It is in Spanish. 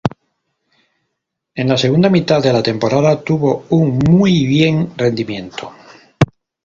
En la segunda mitad de la temporada tuvo un muy bien rendimiento.